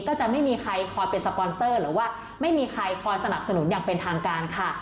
ก็จะไม่มีใครคอยเป็นสปอนเซอร์หรือว่าไม่มีใครคอยสนับสนุนอย่างเป็นทางการค่ะ